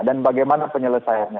dan bagaimana penyelesaiannya